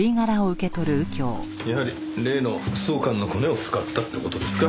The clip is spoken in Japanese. やはり例の副総監のコネを使ったって事ですか？